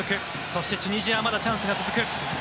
そしてチュニジアはまだチャンスが続く。